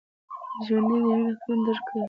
ژوندي د ژوند حقیقتونه درک کوي